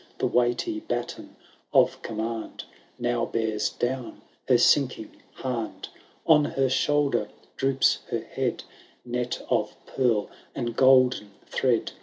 The weighty baton of command Now bears dowii her sinking hand. On her shoulder droops her head ; Net of pearl and golden thread.